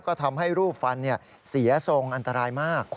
ก็ทำให้รูปฟันเสียทรงอันตรายมาก